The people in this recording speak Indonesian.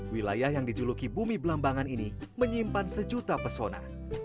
wilayah yang dijuluki bumi belambangan ini menyimpan sejuta pesona